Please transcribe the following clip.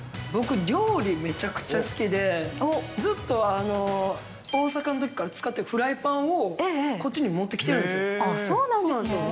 僕、料理、めちゃくちゃ好きで、ずっと大阪のときから使ってるフライパンを、こっちに持ってああ、そうなんですね。